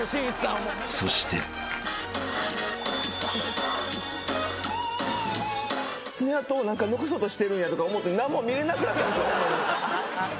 ［そして］爪痕を残そうとしてるんやとか思って何も見れなくなってる。